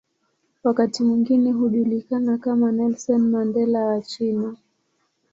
Wakati mwingine hujulikana kama "Nelson Mandela wa China".